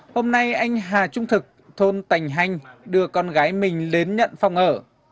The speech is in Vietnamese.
hôm nay anh hà trung thực thôn tành hanh đưa con gái mình đến nhận phòng ở